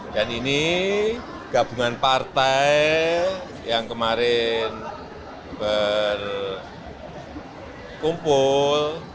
dan ini gabungan partai yang kemarin berkumpul